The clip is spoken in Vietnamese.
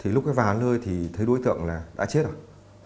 thì lúc cái vàn lơi thì thấy đối tượng là đã chết rồi